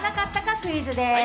クイズです。